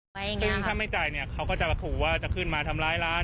ซึ่งถ้าไม่จ่ายเนี่ยเขาก็จะมาขู่ว่าจะขึ้นมาทำร้ายร้าน